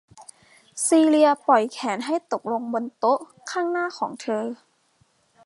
ซีเลียปล่อยแขนให้ตกลงบนโต๊ะข้างหน้าของเธอ